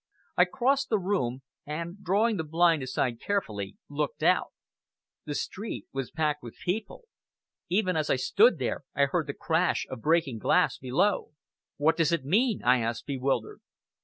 I crossed the room, and, drawing the blind aside carefully, looked out. The street was packed with people! Even as I stood there, I heard the crash of breaking glass below! "What does it mean?" I asked, bewildered.